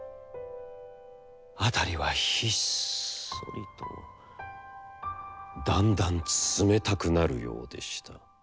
「あたりはひっそりと、だんだん冷めたくなるようでした。